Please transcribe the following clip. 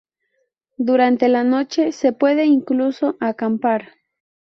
Durante la noche se puede incluso acampar.